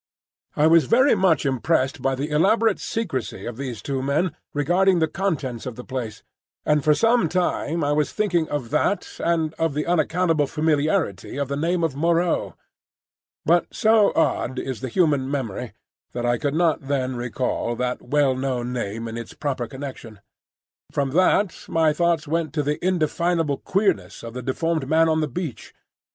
I was very much impressed by the elaborate secrecy of these two men regarding the contents of the place, and for some time I was thinking of that and of the unaccountable familiarity of the name of Moreau; but so odd is the human memory that I could not then recall that well known name in its proper connection. From that my thoughts went to the indefinable queerness of the deformed man on the beach.